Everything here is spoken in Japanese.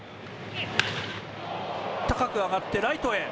高く上がってライトへ。